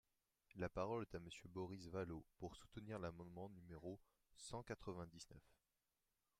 La parole est à Monsieur Boris Vallaud, pour soutenir l’amendement numéro cent quatre-vingt-dix-neuf.